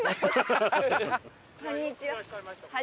こんにちは。